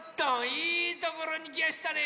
いいところにきやしたね。